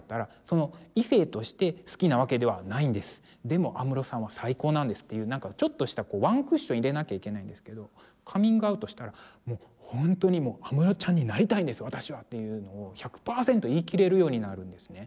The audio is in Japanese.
でも安室さんは最高なんですっていうなんかちょっとしたワンクッションを入れなきゃいけないんですけどカミングアウトしたら「もうほんとに安室ちゃんになりたいんです私は」っていうのを１００％言い切れるようになるんですね。